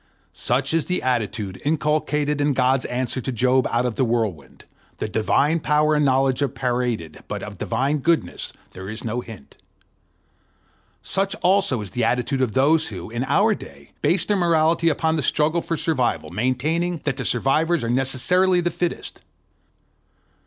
Such is the attitude inculcated in God's answer to Job out of the whirlwind: the divine power and knowledge are paraded, but of the divine goodness there is no hint. Such also is the attitude of those who, in our own day, base their morality upon the struggle for survival, maintaining that the survivors are necessarily the fittest.